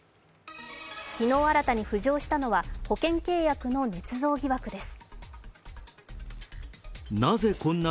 昨日新たに浮上したのは保険契約のねつ造疑惑です。